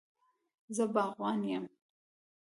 زه باغوان یم